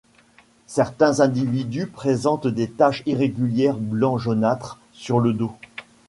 Certains individus présentent des taches irrégulières blanc-jaunâtre sur le dos.